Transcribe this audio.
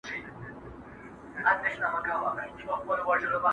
د قدرت دپاره هر يو تر لاس تېر وو!.